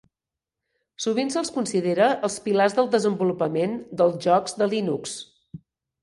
Sovint se'ls considera els pilars del desenvolupament dels jocs de Linux.